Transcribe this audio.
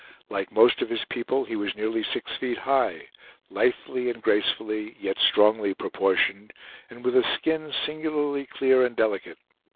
Like most of his people, he was nearly six feet high; lithely and gracefully, yet strongly proportioned; and with a skin singularly clear and delicate.